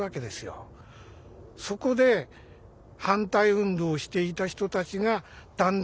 そこで反対運動をしていた人たちがだんだんだんだん別れていく。